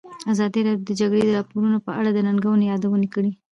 ازادي راډیو د د جګړې راپورونه په اړه د ننګونو یادونه کړې.